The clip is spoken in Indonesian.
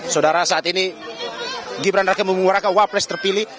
saudara saat ini gibran rakyat membangun warga waples terpilih